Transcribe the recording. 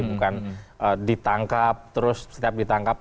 bukan ditangkap terus setiap ditangkap